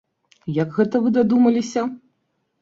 Як гэта вы дадумаліся?